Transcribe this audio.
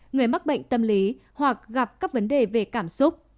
người mắc bệnh tâm lý hoặc gặp các vấn đề về cảm xúc